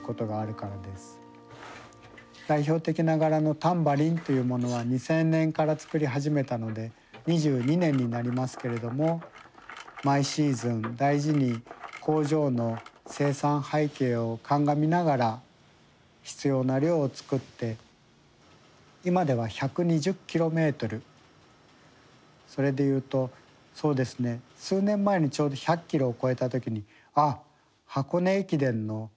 代表的な柄のタンバリンというものは２０００年から作り始めたので２２年になりますけれども毎シーズン大事に工場の生産背景を鑑みながら必要な量を作って今では１２０キロメートルそれでいうとそうですね数年前にちょうど１００キロを超えた時に「あっ箱根駅伝の片道か」と。